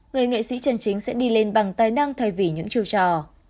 người nghệ sĩ chân chính sẽ đi lên bằng tài năng thay vì những trù trò